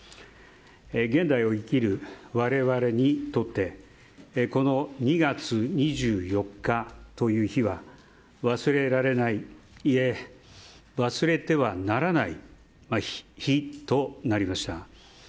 現代を生きる我々にとってこの２月２４日という日は忘れられない、いえ忘れてはならない日となりました。